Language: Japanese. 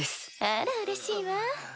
あらうれしいわ。